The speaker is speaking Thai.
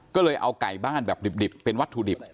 ก็เลยเอาไก่บ้านแบบดิบเป็นวัตถุดิบ